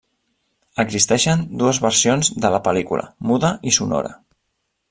Existeixen dues versions de la pel·lícula: muda i sonora.